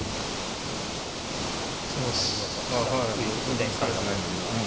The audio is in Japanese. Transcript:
全然疲れてないんだけどうん。